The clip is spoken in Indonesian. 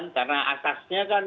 karena atasnya kan